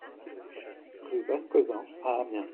Rue Vascosan à Amiens